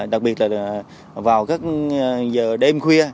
đặc biệt là vào các giờ đêm khuya